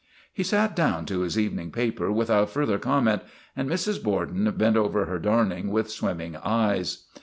He sat down to his evening paper without further comment, and Mrs. Borden bent over her darning with swimming eyes.